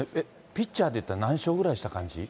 ピッチャーでいったら何勝ぐらいした感じ？